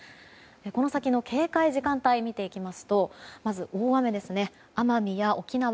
この先の警戒時間帯を見ていきますとまず大雨ですね奄美や沖縄。